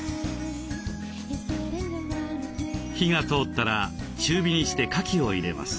火が通ったら中火にしてかきを入れます。